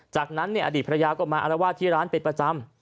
จากนั้นอดีตภรรยาก็มาอารวาสที่ร้านเป็นประจำ